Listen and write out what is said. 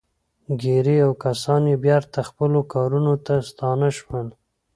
ګيري او کسان يې بېرته خپلو کارونو ته ستانه شول.